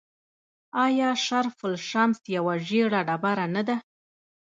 آیا شرف الشمس یوه ژیړه ډبره نه ده؟